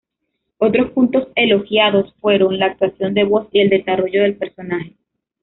Otros puntos elogiados fueron la actuación de voz y el desarrollo del personaje.